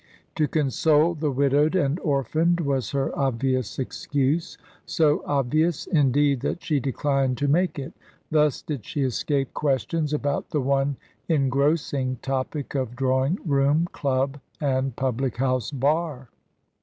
To console the widowed and orphaned was her obvious excuse, so obvious, indeed, that she declined to make it. Thus did she escape questions about the one engrossing topic of drawing room, club, and public house bar.